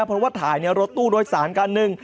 เพราะว่าถ่ายในรถตู้โดยสารคันหนึ่ง